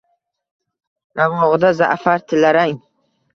Ravog’ida za’far tillarang